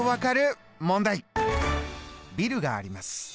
ビルがあります。